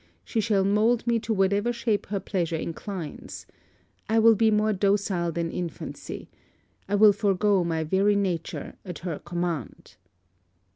She shall mould me to whatever shape her pleasure inclines. I will be more docile than infancy. I will forego my very nature, at her command.'